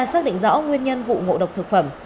xác định rõ nguyên nhân vụ ngộ độc thực phẩm